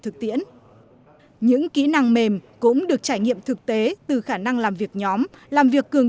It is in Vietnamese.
thực tiễn những kỹ năng mềm cũng được trải nghiệm thực tế từ khả năng làm việc nhóm làm việc cường